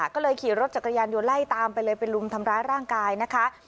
ก็เลยขี่รถจักรยานยนต์ไล่ตามไปเลยไปลุมทำร้ายร่างกายนะคะ